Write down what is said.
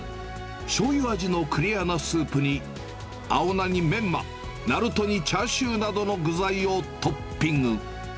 しょうゆ味のクリアなスープに、青菜にメンマ、ナルトにチャーシューなどの具材をトッピング。